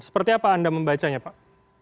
seperti apa anda membacanya pak